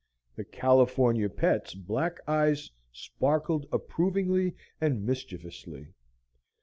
The "California Pet's" black eyes sparkled approvingly and mischievously.